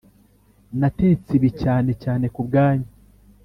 natetse ibi cyane cyane kubwanyu.